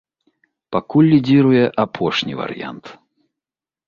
Пакуль лідзіруе апошні варыянт.